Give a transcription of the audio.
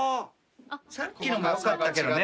さっきのもよかったけどね。